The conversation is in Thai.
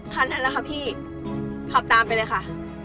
ทางนั้นแล้วครับพี่ขับตามไปเลยค่ะ